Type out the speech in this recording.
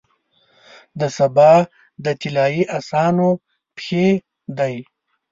د سبا د طلایې اسانو پښې دی،